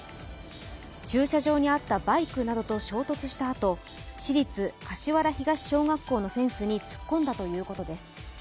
駐車場にあったバイクなどと衝突したあと市立柏原東小学校のフェンスに突っ込んだということです。